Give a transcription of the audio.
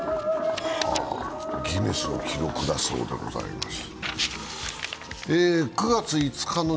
ギネスの記録だそうでございます。